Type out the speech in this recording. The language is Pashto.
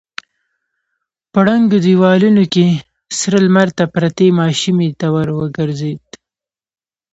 په ړنګو دېوالونو کې سره لمر ته پرتې ماشومې ته ور وګرځېد.